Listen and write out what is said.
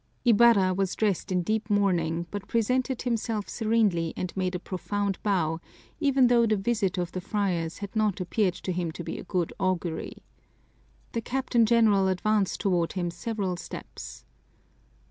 Ibarra was dressed in deep mourning, but presented himself serenely and made a profound bow, even though the visit of the friars had not appeared to him to be a good augury. The Captain General advanced toward him several steps.